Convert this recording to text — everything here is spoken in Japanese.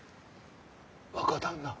若旦那。